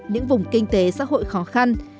những vùng kinh tế xã hội khó khăn